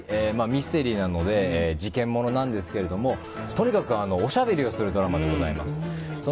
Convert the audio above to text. ミステリーなので事件ものなんですけれどもとにかく、おしゃべりをするドラマでございます。